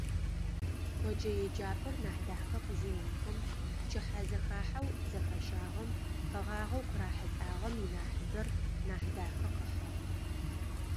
Къоджэ еджапӏэр Нахьдахэ къызеухым, пчыхьэзэхахьэу зэхащагъэм къэгъагъэу къырахьылӏагъэм инахьыбэр Нахьдахэ къыхьыгъ.